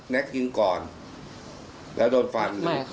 ยิงก่อนแล้วโดนฟัน